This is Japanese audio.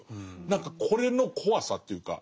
何かこれの怖さというか。